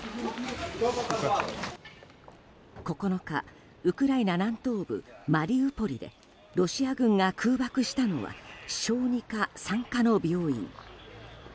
９日、ウクライナ南東部マリウポリでロシア軍が空爆したのは小児科・産科の病院。